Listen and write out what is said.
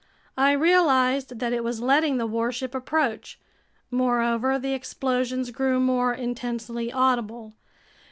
I realized that it was letting the warship approach. Moreover, the explosions grew more intensely audible.